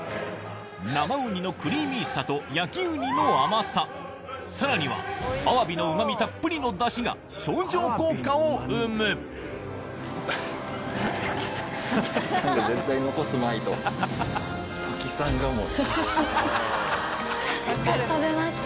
生ウニのクリーミーさと焼きウニの甘ささらにはアワビのうま味たっぷりのダシが相乗効果を生む食べました。